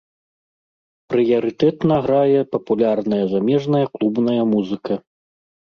Прыярытэтна грае папулярная замежная клубная музыка.